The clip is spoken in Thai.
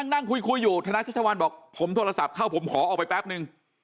นั่งคุยอยู่ธนชัชวัลบอกผมโทรศัพท์เข้าผมขอออกไปแป๊บนึง